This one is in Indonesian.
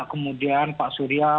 kemudian pak surya